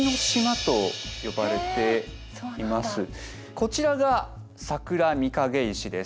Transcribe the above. こちらが桜みかげ石です。